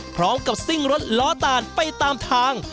พร้อมกับซิ่งรถล้อตาลไปตามทาง